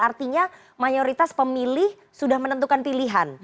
artinya mayoritas pemilih sudah menentukan pilihan